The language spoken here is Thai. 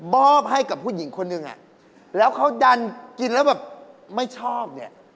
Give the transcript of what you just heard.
อบให้กับผู้หญิงคนหนึ่งอ่ะแล้วเขาดันกินแล้วแบบไม่ชอบเนี่ย